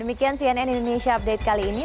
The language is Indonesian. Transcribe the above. demikian cnn indonesia update kali ini